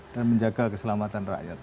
dan menjaga keselamatan rakyat